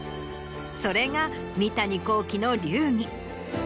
それが三谷幸喜の流儀。